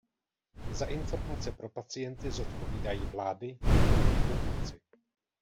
Za informace pro pacienty zodpovídají vlády, nikoliv jednotlivci.